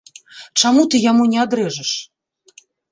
Чаму ты яму не адрэжаш?